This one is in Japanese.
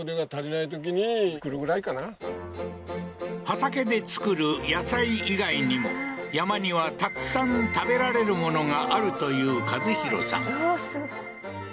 畑で作る野菜以外にも山にはたくさん食べられるものがあるという一洋さん